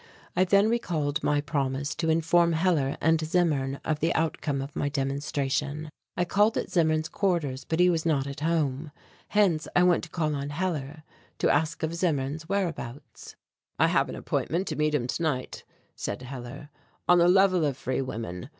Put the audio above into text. I then recalled my promise to inform Hellar and Zimmern of the outcome of my demonstration. I called at Zimmern's quarters but he was not at home. Hence I went to call on Hellar, to ask of Zimmern's whereabouts. "I have an appointment to meet him tonight," said Hellar, "on the Level of Free Women.